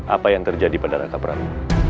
apa yang terjadi pada raka prabowo